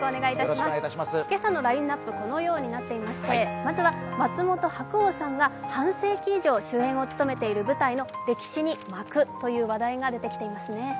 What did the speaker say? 今朝のラインナップ、このようになっていましてまずは松本白鸚さんが半世紀以上主演を務めている舞台の歴史に幕という話題が出てきています。